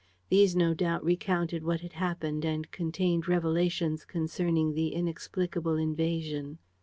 These no doubt recounted what had happened and contained revelations concerning the inexplicable invasion.